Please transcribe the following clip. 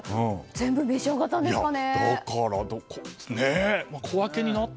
全部召し上がったんですかね。